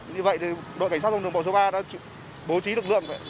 như vậy đội cảnh sát giao thông số ba đã bố trí lực lượng